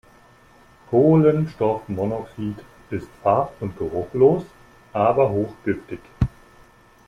Kohlenstoffmonoxid ist farb- und geruchlos, aber hochgiftig.